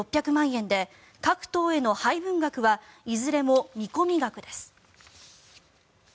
円で各党への配分額はいずれも見込み額です。